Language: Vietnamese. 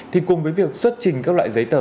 thì cùng với việc xuất trình các loại giấy tờ